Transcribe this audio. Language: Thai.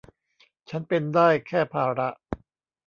ฉันเป็นได้แค่ภาระ